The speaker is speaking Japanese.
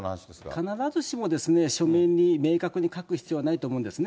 必ずしも書面に明確に書く必要はないと思うんですね。